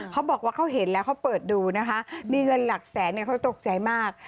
เขาบอกว่าเขาเห็นแล้วเขาเปิดดูนะคะมีเงินหลักแสนเนี่ยเขาตกใจมาก